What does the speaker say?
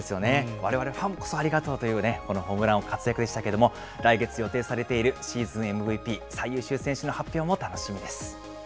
われわれファンこそありがとうというね、このホームラン王、活躍でしたけれども、来月予定されているシーズンＭＶＰ最優秀選手の発表も楽しみです。